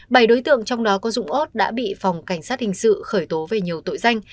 bảy đối tượng trong đó có dũng ốt đã bị phòng cảnh sát hình sự khởi tố về nhiều tội danh